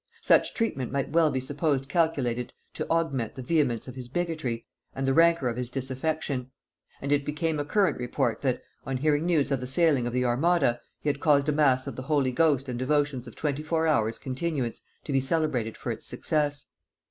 Such treatment might well be supposed calculated to augment the vehemence of his bigotry and the rancor of his disaffection; and it became a current report that, on hearing news of the sailing of the armada, he had caused a mass of the Holy Ghost and devotions of twenty four hours continuance to be celebrated for its success.